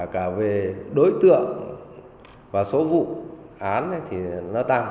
cả về đối tượng và số vụ án thì nó tăng